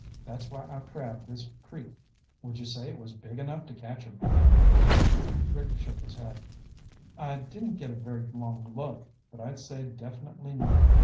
That's why I crab this creek. Would you say it was big enough to catch a man?" Rick shook his head. "I didn't get a very long look, but I'd say definitely not.